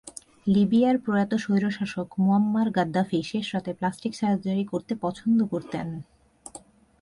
লিবিয়ার প্রয়াত স্বৈরশাসক Muammar Gaddafi শেষ রাতে প্লাস্টিক সার্জারি করতে পছন্দ করতেন।